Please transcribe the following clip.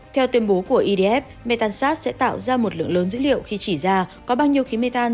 theo tuyên bố của edf metansat sẽ tạo ra một lượng lớn dữ liệu khi chỉ ra có bao nhiêu khí metan